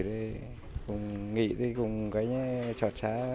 thì cũng nghĩ thì cũng trọt xa